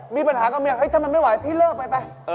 มีปัญหากับเมียเฮ้ยถ้ามันไม่ไหวพี่เลิกไป